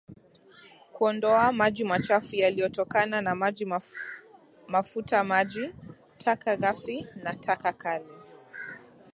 Kuondoa maji machafu yaliyotokana na maji mafuta maji taka ghafi na taka kali